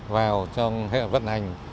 vào trong hệ thống vận hành